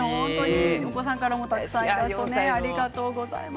お子さんからもたくさんいただいています。